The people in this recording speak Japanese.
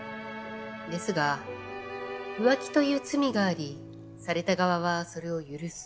ですが浮気という罪がありされた側はそれを許す。